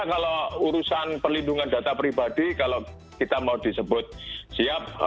karena kalau urusan perlindungan data pribadi kalau kita mau disebut siap